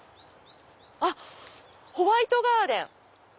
「ホワイト・ガーデン」。